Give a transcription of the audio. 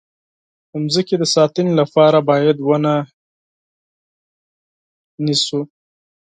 د مځکې د ساتنې لپاره باید ونه نیسو.